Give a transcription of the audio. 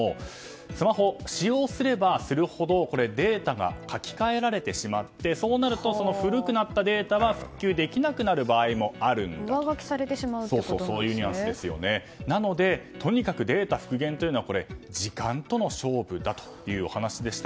スマホは使用すればするほどデータが書き換えられてしまってそうなるとその古くなったデータは復旧できなくなる場合も上書きされてしまうなのでとにかくデータ復元というのは時間との勝負だというお話でした。